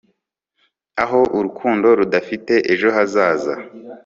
Aho urukundo rudafite ejo hazaza